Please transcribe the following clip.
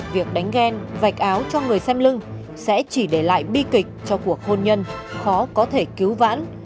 việc đánh ghen vạch áo cho người xem lưng sẽ chỉ để lại bi kịch cho cuộc hôn nhân khó có thể cứu vãn